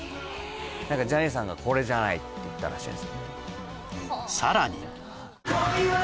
何かジャニーさんが「これじゃない」って言ったらしい